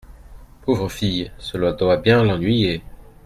Pauvre fille ! cela doit bien l’ennuyer.